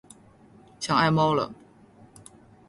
想爱猫了